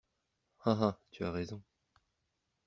Ha ha, tu as raison.